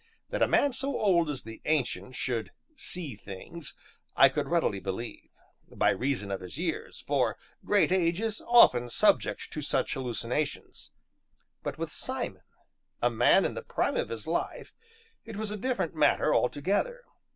That a man so old as the Ancient should "see things" I could readily believe, by reason of his years, for great age is often subject to such hallucinations, but with Simon, a man in the prime of his life, it was a different matter altogether.